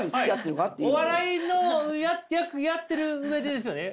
お笑いのやってる上でですよね？